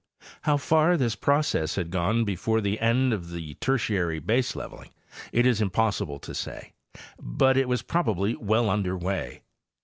How far this process 'had gone before the end of the Tertiary baseleveling it is impossible to say, but it was probably well under way.